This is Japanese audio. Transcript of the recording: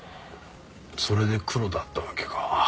それでクロだったわけか。